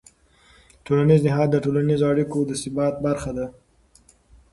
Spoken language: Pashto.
ټولنیز نهاد د ټولنیزو اړیکو د ثبات برخه ده.